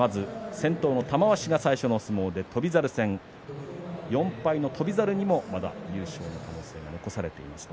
先頭の玉鷲が最初の相撲で翔猿戦。４敗の翔猿にもまだ優勝の可能性が残されています。